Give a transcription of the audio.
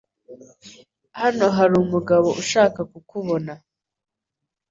Hano hari umugabo ushaka kukubona.